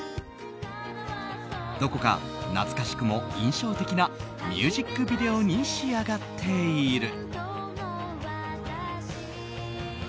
どこか懐かしくも印象的なミュージックビデオに仕上がっている。